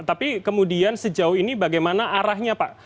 tapi kemudian sejauh ini bagaimana arahnya pak